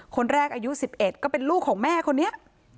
คนแรกอายุ๑๑ก็เป็นลูกของแม่คนนี้